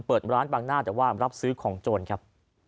เปิดร้านบางหน้าแต่ว่ารับซื้อของโจรครับ